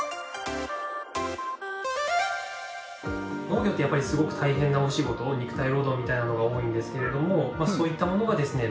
農業ってやっぱりすごくたいへんなお仕事肉体労働みたいなのが多いんですけれどもそういったものがですね